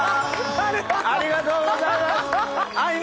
ありがとうございます。